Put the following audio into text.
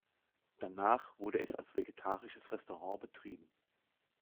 Danach wurde es als vegetarisches Restaurant betrieben.